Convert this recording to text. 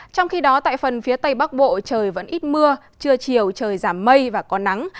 trong khi đó tại phần phía tây bắc bộ trời vẫn ít mưa trưa chiều trời giảm mây và có nắng